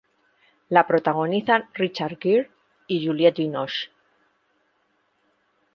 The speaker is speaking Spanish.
La protagonizan Richard Gere, Juliette Binoche.